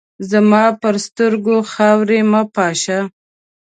زما پر سترګو خاوري مه پاشه !